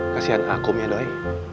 kasian akum ya doi